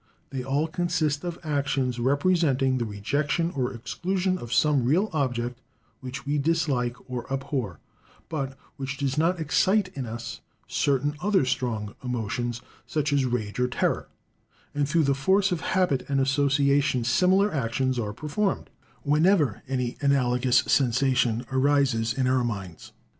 They all consist of actions representing the rejection or exclusion of some real object which we dislike or abhor, but which does not excite in us certain other strong emotions, such as rage or terror; and through the force of habit and association similar actions are performed, whenever any analogous sensation arises in our minds.